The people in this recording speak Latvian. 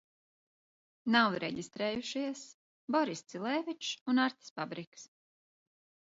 Nav reģistrējušies Boriss Cilevičs un Artis Pabriks.